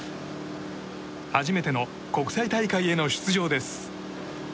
初めての国際大会への出場です。